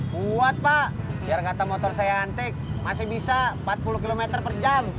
kuat pak biar kata motor saya antik masih bisa empat puluh km per jam